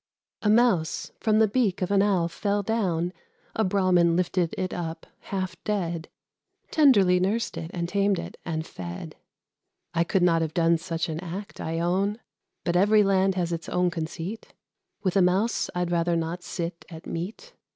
A Mouse from the beak of an owl fell down, A Brahmin lifted it up, half dead: Tenderly nursed it, and tamed it, and fed. I could not have done such an act, I own; But every land has its own conceit: With a Mouse I'd rather not sit at meat.